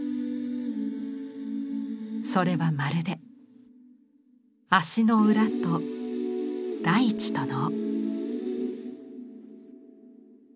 それはまるで足の裏と大地との。